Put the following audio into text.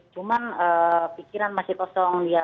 cuman pikiran masih kosong dia